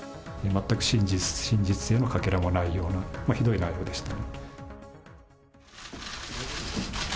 全く真実性のかけらもないような、ひどい内容でした。